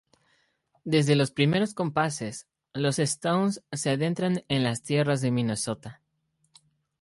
Desde los primeros compases, los Stones se adentran en las tierras de Minnesota.